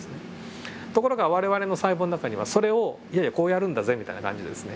ところが我々の細胞の中にはそれをいやいやこうやるんだぜみたいな感じでですね